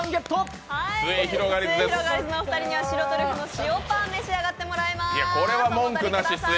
すゑひろがりずのお二人にはトリュフ塩のパン、召し上がっていただきます。